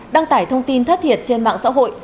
đăng tải thông tin thất thiệt trên mạng xã hội